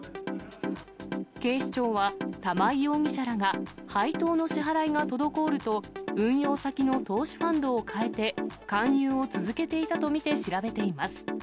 警視庁は、玉井容疑者らが、配当の支払いが滞ると、運用先の投資ファンドを変えて勧誘を続けていたと見て調べています。